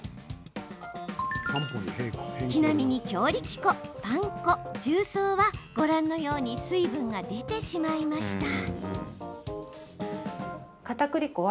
ちなみに強力粉、パン粉、重曹はご覧のように水分が出てしまいました。